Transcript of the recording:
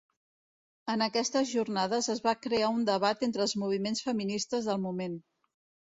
En aquestes jornades es va crear un debat entre els moviments feministes del moment.